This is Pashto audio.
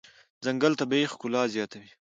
ځنګل طبیعي ښکلا زیاتوي.